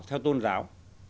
theo tôn giáo